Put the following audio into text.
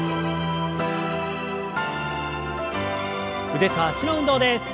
腕と脚の運動です。